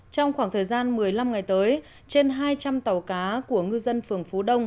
trong khoảng thời gian một mươi năm ngày tới trên hai trăm linh tàu cá của ngư dân phường phú đông